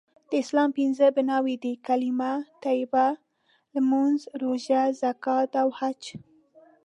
د اسلام پنځه بنأوي دي.کلمه طیبه.لمونځ.روژه.زکات.او حج